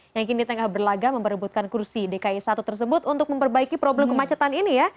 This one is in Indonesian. yang kini tengah berlagak memperebutkan kursi dki satu tersebut untuk memperbaiki problem kemacetan ini ya